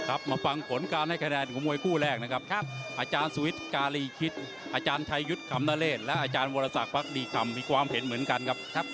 อาจารย์สวิสการีคิดอาจารย์ไทยุทธกรรมนเรศและอาจารย์วรศักดิกรรมมีความเห็นเหมือนกันครับ